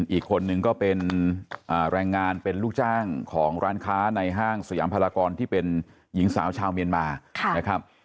อีกคนนึงก็เป็นแรงงานเป็นลูกจ้างของร้านค้าในห้างสยามพลากรที่เป็นหญิงสาวชาวเมียนมานะครับ